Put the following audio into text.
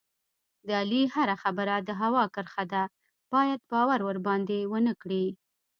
د علي هره خبره د هوا کرښه ده، باید باور ورباندې و نه کړې.